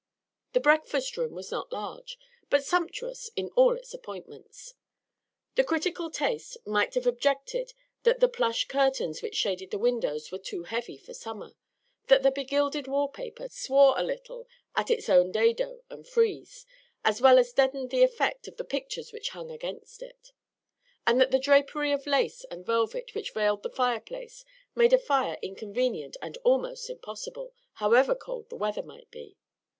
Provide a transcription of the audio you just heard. The breakfast room was not large, but sumptuous in all its appointments. A critical taste might have objected that the plush curtains which shaded the windows were too heavy for summer; that the begilded wallpaper "swore" a little at its own dado and frieze, as well as deadened the effect of the pictures which hung against it; and that the drapery of lace and velvet which veiled the fireplace made a fire inconvenient and almost impossible, however cold the weather might be.